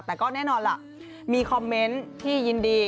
แต่ก็แน่นอนล่ะมีคอมเมนต์ที่ยินดี